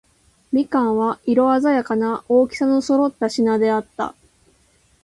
蜜柑は、色のあざやかな、大きさの揃った品であった。